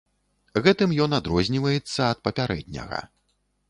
Гэтым ён адрозніваецца ад папярэдняга.